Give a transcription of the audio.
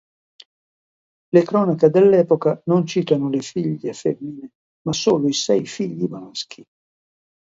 Le cronache dell'epoca non citano le figlie femmine ma solo i sei figli maschi.